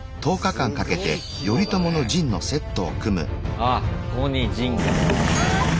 あっここに陣が。